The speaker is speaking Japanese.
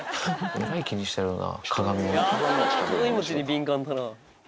えらい気にしてるな。